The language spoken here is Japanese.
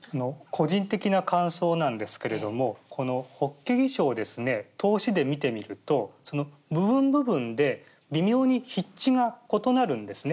個人的な感想なんですけれどもこの「法華義疏」をですね通しで見てみると部分部分で微妙に筆致が異なるんですね。